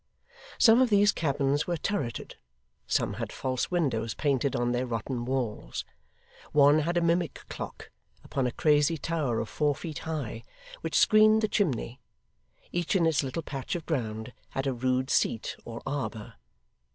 Some of these cabins were turreted, some had false windows painted on their rotten walls; one had a mimic clock, upon a crazy tower of four feet high, which screened the chimney; each in its little patch of ground had a rude seat or arbour.